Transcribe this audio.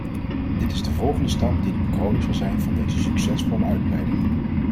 Dit is de volgende stap die de bekroning zal zijn van deze succesvolle uitbreiding.